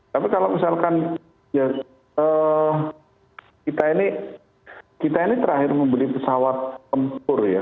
tapi kalau misalkan kita ini terakhir membeli pesawat tempur ya